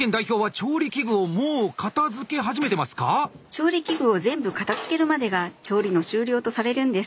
調理器具を全部片づけるまでが調理の終了とされるんです。